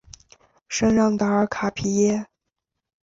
圣让达尔卡皮耶。